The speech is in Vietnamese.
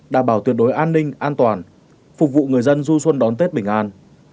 đảm bảo tuyệt đối an ninh an toàn phục vụ người dân du xuân đón tết bình an